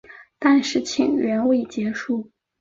但事情远未结束。